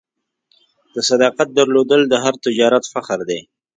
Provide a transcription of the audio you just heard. د صداقت درلودل د هر تجارت فخر دی.